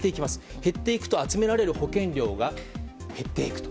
減っていくと集められる保険料が減っていくと。